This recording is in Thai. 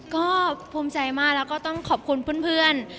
ก็ภูมิใจมากแล้วก็ต้องขอบคุณเพื่อน